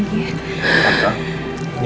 nggak usah dibahas lagi ya